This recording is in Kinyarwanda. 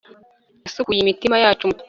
yasukuye imitima yacu, mukiza